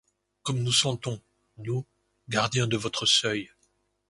Comme nous sentons, nous, gardiens de votre seuil